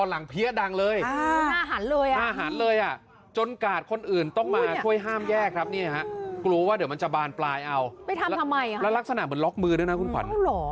แล้วลักษณะเหมือนล็อกมือด้วยนะคุณขวัญ